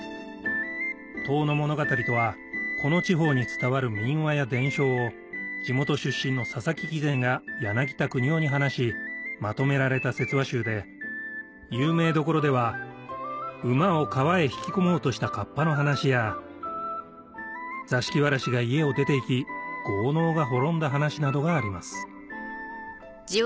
『遠野物語』とはこの地方に伝わる民話や伝承を地元出身の佐々木喜善が柳田國男に話しまとめられた説話集で有名どころでは馬を川へ引き込もうとした河童の話やザシキワラシが家を出ていき豪農が滅んだ話などがあります